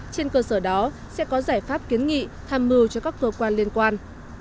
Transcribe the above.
trên cơ sở đó sẽ có giải pháp kiến nghị tham mưu cho các cơ quan liên quan